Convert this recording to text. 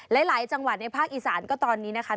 หลายจังหวัดในภาคอีสานก็ตอนนี้นะคะ